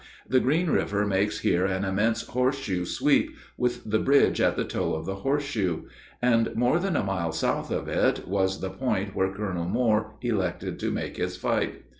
The Green River makes here an immense horseshoe sweep, with the bridge at the toe of the horseshoe; and more than a mile south of it was the point where Colonel Moore elected to make his fight.